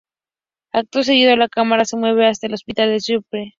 Acto seguido, la cámara se mueve hasta el hospital de Springfield.